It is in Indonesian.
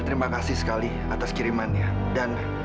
terima kasih ya sayang